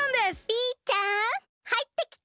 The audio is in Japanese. ピーちゃんはいってきて！